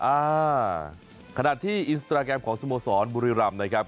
อ่าขนาดที่อินสตราแกรมของสมสรบุริรัมณ์นะครับ